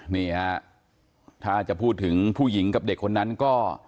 นี่ฮะถ้าจะพูดถึงผู้หญิงกับเด็กคนนั้นก็